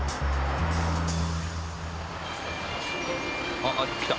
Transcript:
あっ来た。